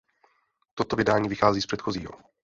Toto vydání vychází z předchozího.